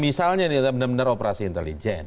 ini benar benar operasi intelijen